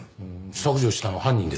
削除したの犯人ですかね？